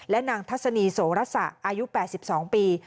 และนางทัศนีโสรษะอายุ๘๒ปี